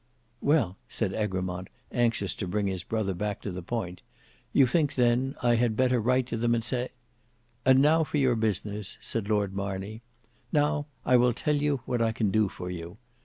"Well," said Egremont, anxious to bring his brother back to the point, "you think, then, I had better write to them and say—" "Ah! now for your business," said Lord Marney. "Now, I will tell you what I can do for you.